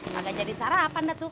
kagak jadi sarapan dah tuh